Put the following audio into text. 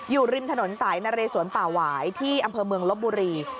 อยู่ริมถนนสายนเรสวนป่าหวายที่อำเภอเมืองลบบุรี